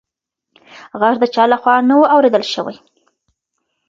غږ د چا لخوا نه و اورېدل شوې.